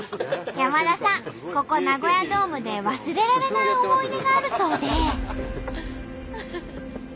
山田さんここナゴヤドームで忘れられない思い出があるそうで。